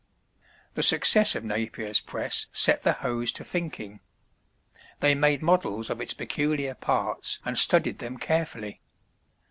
The success of Napier's press set the Hoes to thinking. They made models of its peculiar parts and studied them carefully.